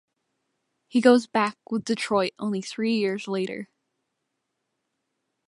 He goes back with Detroit only three years later.